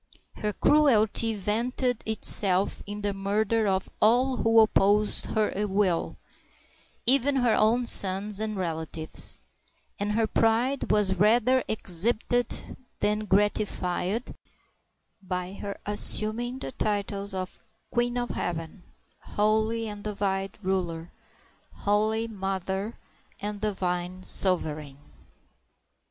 Her cruelty vented itself in the murder of all who opposed her will, even to her own sons and relatives; and her pride was rather exhibited than gratified by her assum ing the titles of Queen of Heaven, Holy and Divine Ruler, Holy Mother, and Divine Sovereign.